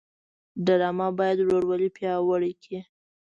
ډرامه باید ورورولي پیاوړې کړي